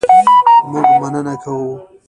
مونږ مننه کوو